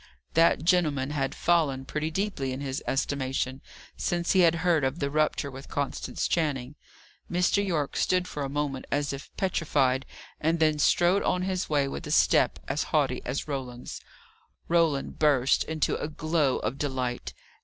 That gentleman had fallen pretty deeply in his estimation, since he had heard of the rupture with Constance Channing. Mr. Yorke stood for a moment as if petrified, and then strode on his way with a step as haughty as Roland's. Roland burst into a glow of delight.